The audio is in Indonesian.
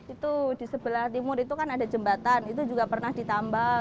itu di sebelah timur itu kan ada jembatan itu juga pernah ditambal